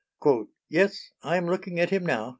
"Yes, I am looking at him now.